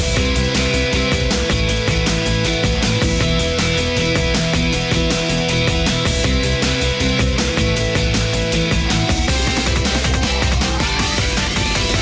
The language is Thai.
สวัสดีครับ